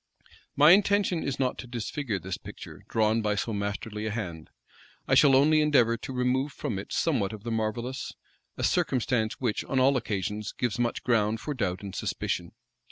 My intention is not to disfigure this picture, drawn by so masterly a hand: I shall only endeavor to remove from it somewhat of the marvellous; a circumstance which, on all occasions, gives much ground for doubt and suspicion.